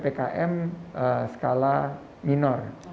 bingkai ppkm skala minor